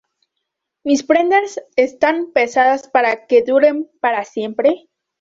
Mis prendas están pensadas para que duren para siempre".